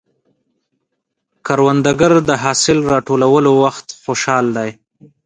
کروندګر د حاصل راټولولو وخت خوشحال دی